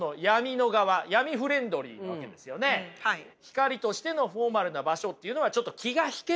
光としてのフォーマルな場所っていうのはちょっと気が引けると。